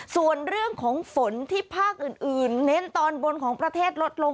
ส่วนเรื่องของฝนที่ภาคอื่นเน้นตอนบนของประเทศลดลง